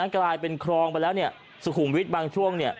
กลายเป็นคลองไปแล้วสุขุมวิทย์บางช่วง